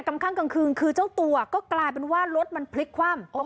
กระทั่งกลางคืนคือเจ้าตัวก็กลายเป็นว่ารถมันพลิกคว่ำ